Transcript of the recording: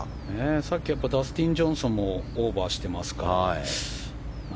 さっきダスティン・ジョンソンもオーバーしてますから。